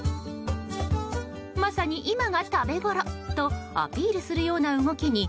まさに今が食べごろとアピールするような動きに